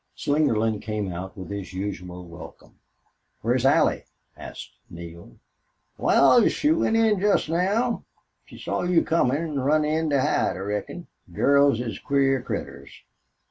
Slingerland came out with his usual welcome. "Where's Allie?" asked Neale. "Wal, she went in jest now. She saw you comin' an' then run in to hide, I reckon. Girls is queer critters."